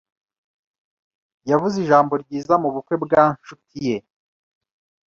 Yavuze ijambo ryiza mubukwe bwa nshuti ye.